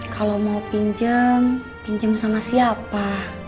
kalau mau pinjem pinjem sama siapa